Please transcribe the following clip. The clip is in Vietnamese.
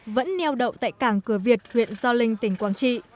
vẫn neo đậu tại cảng cửa việt huyện gio linh tỉnh quảng trị